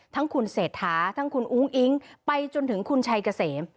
ทั้งคุณเศรษฐาทั้งคุณอุ้งอิ๊งไปจนถึงคุณชัยเกษม